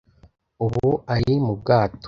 Ubu ari mu bwato